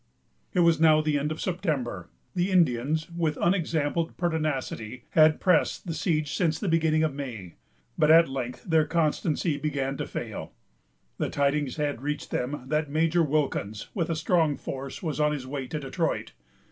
It was now the end of September. The Indians, with unexampled pertinacity, had pressed the siege since the beginning of May; but at length their constancy began to fail. The tidings had reached them that Major Wilkins, with a strong force, was on his way to Detroit.